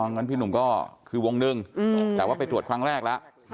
งั้นพี่หนุ่มก็คือวงหนึ่งแต่ว่าไปตรวจครั้งแรกแล้ว